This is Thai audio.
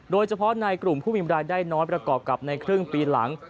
โดยเฉพาะในกลุ่มผู้มีรายได้น้อยประกอบกับในครึ่งปีหลัง